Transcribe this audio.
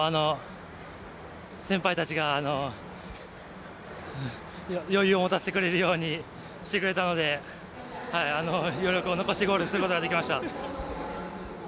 先輩たちが余裕を持たせてくれるようにしてくれたので余力を残してゴールすることができました。